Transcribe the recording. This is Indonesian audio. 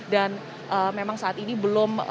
dan memang saat ini belum